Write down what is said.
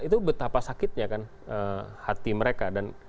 itu betapa sakitnya kan hati mereka